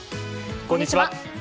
こんにちは。